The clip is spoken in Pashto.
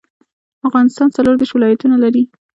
افغانستان څلوردیش ولایتونه لري.